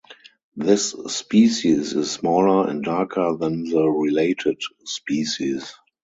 This species is smaller and darker than the related species.